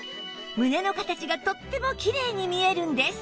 胸の形がとってもきれいに見えるんです